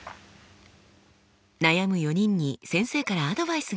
悩む４人に先生からアドバイスが。